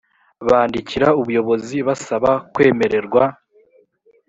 bandikira ubuyobozi basaba kwemererwa